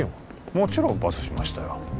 もちろんパスしましたよ